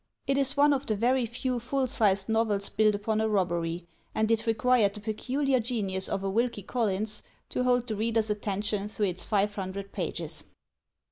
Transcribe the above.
It is one of the very few full sized novels built upon a robbery, and it required the peculiar genius of a Wilkie Collins to hold the reader's attention through its five hundred pages.